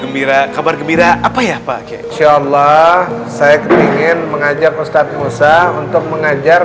gembira gembira apa ya pak insyaallah saya keringin mengajak ustadz musa untuk mengajar